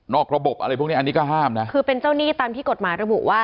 ระบบอะไรพวกนี้อันนี้ก็ห้ามนะคือเป็นเจ้าหนี้ตามที่กฎหมายระบุว่า